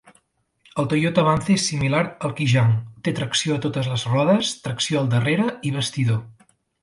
El Toyota Avanza és similar al Kijang: té tracció a totes les rodes, tracció al darrere i bastidor.